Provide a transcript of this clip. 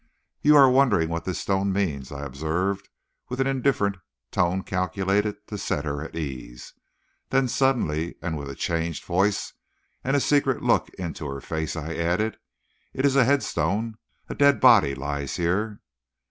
"You are wondering what this stone means," I observed, with an indifferent tone calculated to set her at her ease. Then suddenly, and with a changed voice and a secret look into her face, I added: "It is a headstone; a dead body lies here."